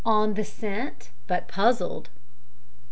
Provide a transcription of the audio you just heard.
ON THE SCENT, BUT PUZZLED.